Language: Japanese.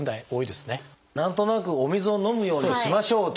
何となくお水を飲むようにしましょうっていうね。